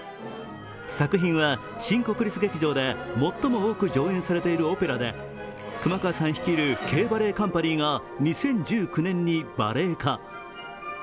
作品は新国立劇場で最も多く上演されているオペラで、熊川さん率いるＫバレエカンパニーが２０１９年にバレエ化。